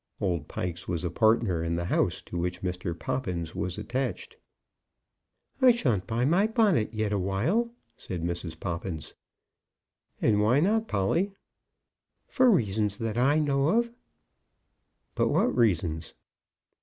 Old Pikes was a partner in the house to which Mr. Poppins was attached. "I shan't buy my bonnet yet awhile," said Mrs. Poppins. "And why not, Polly?" "For reasons that I know of." "But what reasons?"